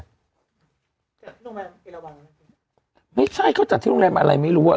จัดที่โรงแรมกี่ละวันไม่ใช่เขาจัดที่โรงแรมอะไรไม่รู้อ่ะ